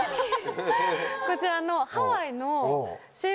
こちら。